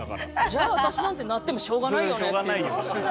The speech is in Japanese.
じゃあ私なんてなってもしょうがないよねっていう。